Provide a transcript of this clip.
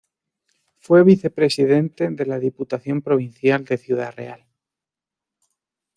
Fue vicepresidente de la Diputación Provincial de Ciudad Real.